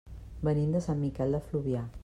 Venim de Sant Miquel de Fluvià.